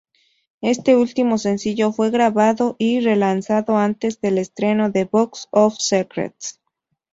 Este último sencillo fue regrabado y relanzado antes del estreno de Box of Secrets.